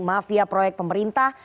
mafia proyek pemerintah